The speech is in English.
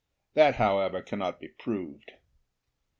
That, however, cannot be proved.